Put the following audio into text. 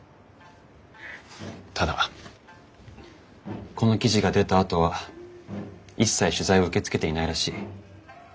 ただこの記事が出たあとは一切取材を受け付けていないらしい。